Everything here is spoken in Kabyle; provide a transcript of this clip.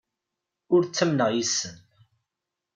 Ur ttamneɣ yes-sen.